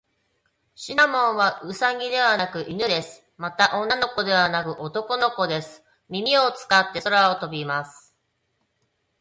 シナモンはウサギではなく犬です。また、女の子ではなく男の子です。耳を使って空を飛びます。